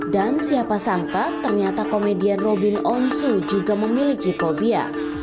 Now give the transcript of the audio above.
dan siapa sangka ternyata komedian robin onsu juga memiliki fobia